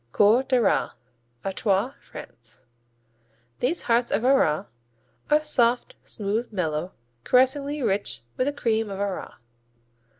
Coeurs d'Arras Artois, France These hearts of Arras are soft, smooth, mellow, caressingly rich with the cream of Arras.